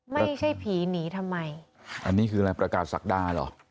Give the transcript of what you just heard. ไม่ใช่ผีหนีทำไมอันนี้คืออะไรประกาศศักดาเหรอ